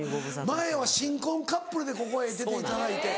前は新婚カップルでここへ出ていただいて。